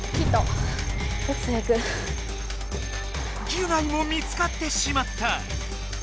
ギュナイも見つかってしまった。